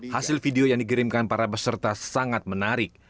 hasil video yang dikirimkan para peserta sangat menarik